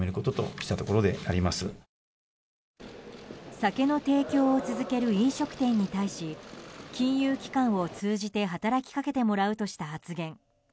酒の提供を続ける飲食店に対し金融機関を通じて働きかけてもらうとした発言。